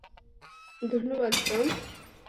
ধন্যবাদ, টম!